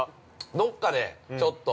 ◆どこかで、ちょっと。